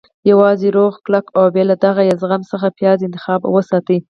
- یوازې روغ، کلک، او بې له داغه یا زخم څخه پیاز انتخاب او وساتئ.